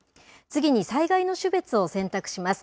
次に、災害の種別を選択します。